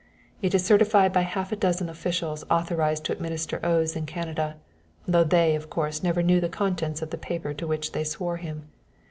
It is certified by half a dozen officials authorized to administer oaths in Canada, though they, of course, never knew the contents of the paper to which they swore him.